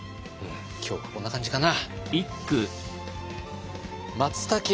今日はこんな感じかな。